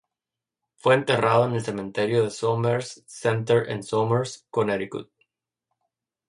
Fue enterrado en el cementerio de Somers Center en Somers, Connecticut.